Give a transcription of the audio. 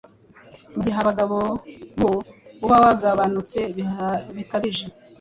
mu gihe abagabo bo uba wagabanutse bikabije